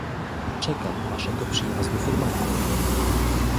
"Czekam waszego przyjazdu furmanką!"